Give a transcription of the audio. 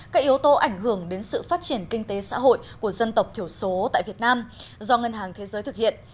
các yếu tố ảnh hưởng đến sự phát triển kinh tế xã hội của dân tộc thiểu số tại việt nam do ngân hàng thế giới thực hiện